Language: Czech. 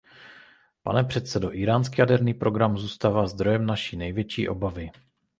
Pane předsedo, íránský jaderný program zůstává zdrojem naší největší obavy.